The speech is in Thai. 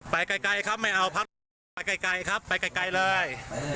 ไปไกลไกลครับไม่เอาไปไกลไกลครับไปไกลไกลเลย